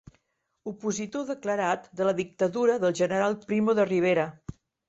Opositor declarat de la dictadura del general Primo de Rivera.